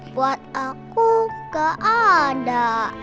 buat aku gak ada